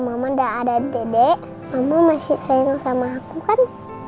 mama udah ada dedek mama masih sayang sama aku kan